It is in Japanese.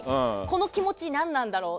この気持ち何なんだろう